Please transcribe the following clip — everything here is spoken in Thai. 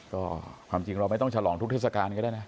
ก็ความจริงเราไม่ต้องฉลองทุกเทศกาลก็ได้นะ